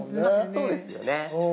そうですよね。